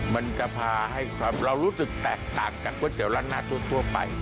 มันจะพาให้เรารู้สึกแตกต่างจากก๋วยเตี๋ยร้านหน้าทั่วไป